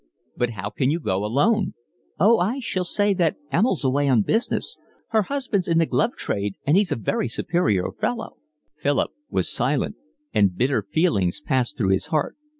"But how can you go alone?" "Oh, I shall say that Emil's away on business. Her husband's in the glove trade, and he's a very superior fellow." Philip was silent, and bitter feelings passed through his heart.